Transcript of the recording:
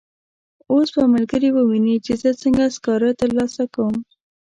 اوس به ملګري وویني چې زه څنګه سکاره ترلاسه کوم.